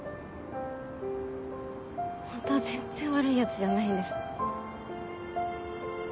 ホントは全然悪いヤツじゃないんです。